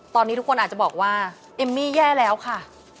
ตอนนี้ทุกคนอาจจะบอกว่าเอมมี่แย่แล้วค่ะ